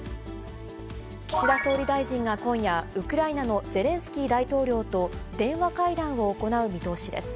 岸田総理大臣が今夜、ウクライナのゼレンスキー大統領と電話会談を行う見通しです。